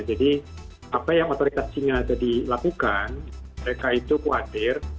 jadi apa yang otoritas cina tadi lakukan mereka itu khawatir